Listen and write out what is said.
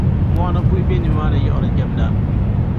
mɔɣu ni buhi be nimaani n-yiɣiri jamda.